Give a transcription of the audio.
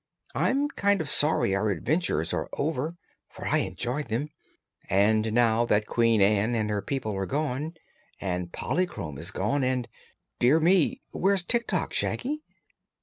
"I'm kind of sorry our adventures are over, for I enjoyed them, and now that Queen Ann and her people are gone, and Polychrome is gone, and dear me! where's Tik Tok, Shaggy?"